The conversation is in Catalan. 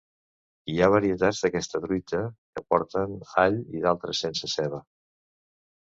Hi ha varietats d'aquesta truita que porten all i d'altres sense ceba.